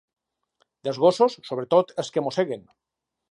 Dels gossos, sobretot els que mosseguen.